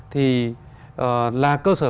thì là cơ sở